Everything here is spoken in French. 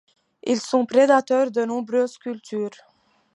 Ils sont prédateurs de nombreuses cultures.